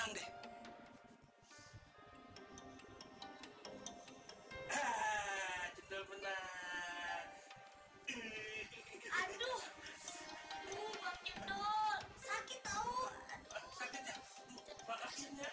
amin ya tuhan